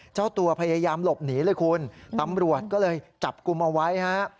เจ้าตัวพยายามหลบหนีเลยคุณตำรวจก็เลยจับกลุ่มเอาไว้ฮะ